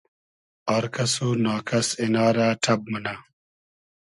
آر کئس و نا کئس اینا رۂ ݖئب مونۂ